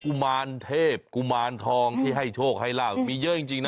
ุมารเทพกุมารทองที่ให้โชคให้ลาบมีเยอะจริงนะ